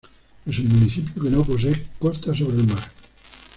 Es un municipio que no posee costa sobre el mar.